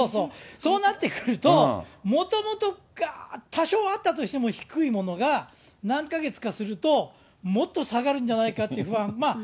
そうなってくると、もともと多少あったとしても低いものが、何か月かすると、もっと下がるんじゃないかって不安。